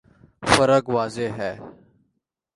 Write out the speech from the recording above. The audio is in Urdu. فرق واضح ہے۔